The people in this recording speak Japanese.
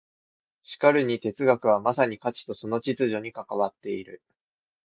しかるに哲学はまさに価値とその秩序に関わっている。